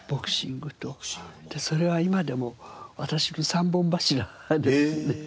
それは今でも私の３本柱ですね。